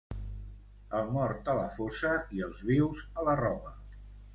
El mort a la fossa i els vius a la roba.